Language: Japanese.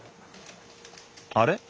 あれ？